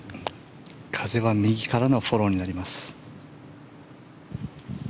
風は右からのフォローになります。